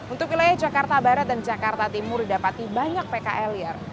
untuk wilayah jakarta barat dan jakarta timur didapati banyak pkl liar